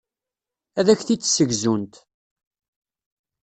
Ad ak-t-id-ssegzunt.